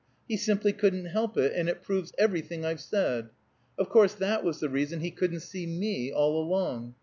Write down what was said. He simply couldn't help it, and it proves everything I've said. Of course that was the reason he couldn't see me all along.